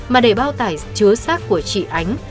mà để bao tải chứa sát của chị ánh